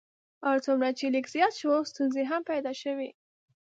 هر څومره چې لیک زیات شو ستونزې هم پیدا شوې.